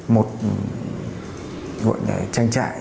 một trang trại